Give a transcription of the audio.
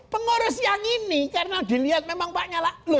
pengurus yang ini karena dilihat memang pak nyalak